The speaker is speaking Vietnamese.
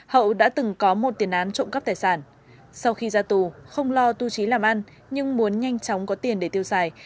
hậu đã từng có một tiền án trộm cắp tài sản sau khi ra tù không lo tu trí làm ăn nhưng muốn nhanh chóng có tiền để tiêu xài